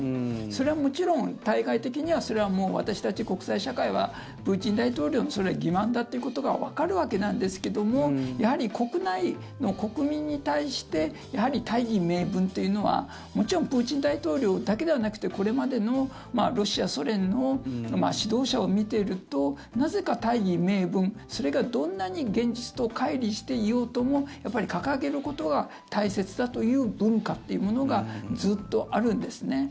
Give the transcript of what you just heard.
それはもちろん対外的にはそれは私たち国際社会はプーチン大統領のそれは欺まんだということがわかるわけなんですけどもやはり、国内の国民に対して大義名分というのはもちろんプーチン大統領だけではなくてこれまでのロシア、ソ連の指導者を見ているとなぜか大義名分それがどんなに現実とかい離していようとも掲げることが大切だという文化というものがずっとあるんですね。